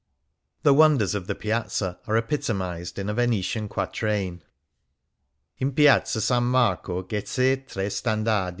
The wonders of the Piazza are epitomized in a Venetian quatrain :" In Piazza San Marco ghe xe tre standard!